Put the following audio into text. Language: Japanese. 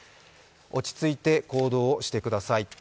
落ち着いて行動してください。